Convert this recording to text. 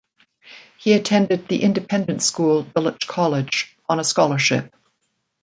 He attended the independent school Dulwich College on a scholarship.